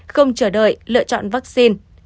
không chờ đợi lựa chọn vaccine